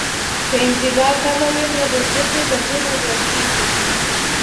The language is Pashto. که انتباه کمه وي نو د زده کړي بهیر ورو کیږي.